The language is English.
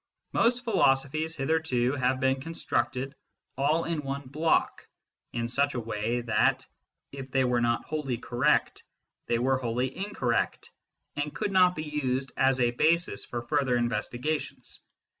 Most philosophies hitherto have been constructed all in one block, in such a way that, if they were not wholly correct, they were wholly incorrect, and could not be used as a basis for further investigations.